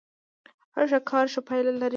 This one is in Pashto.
هر ښه کار ښه پايله لري.